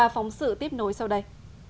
phóng sự tiếp nối sau đây